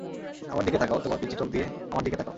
আমার দিকে তাকাও, তোমার পিচ্চি চোখ দিয়ে আমার দিকে তাকাও।